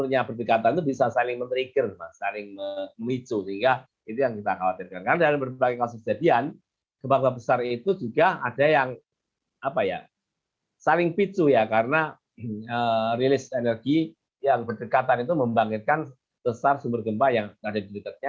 yang berdekatan itu membangkitkan besar sumber gempa yang tidak ada di dekatnya